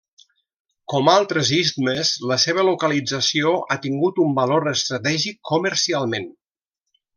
Com altres istmes, la seva localització ha tingut un valor estratègic comercialment.